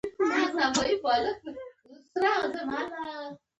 موږ باید دا رڼا ژوندۍ وساتو.